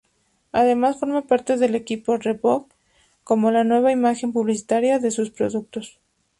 Además forma parte del equipo Reebok como la nueva imagen publicitaria de sus productos.